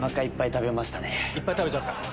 いっぱい食べました。